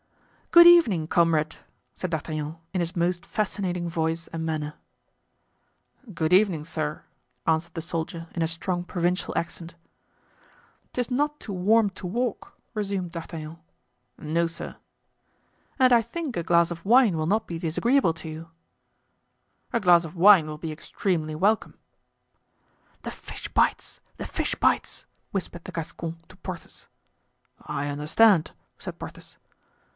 "Good evening, comrade," said D'Artagnan in his most fascinating voice and manner. "Good evening, sir," answered the soldier, in a strong provincial accent. "'Tis not too warm to walk," resumed D'Artagnan. "No, sir." "And I think a glass of wine will not be disagreeable to you?" "A glass of wine will be extremely welcome." "The fish bites—the fish bites!" whispered the Gascon to Porthos. "I understand," said Porthos.